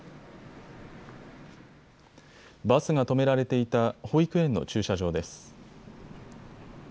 バスが止められていた保育園の駐車場です。